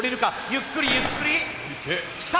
ゆっくりゆっくりきた！